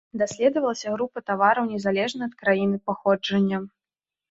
Даследавалася група тавараў незалежна ад краіны паходжання.